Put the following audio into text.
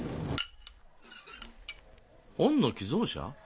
本の寄贈者？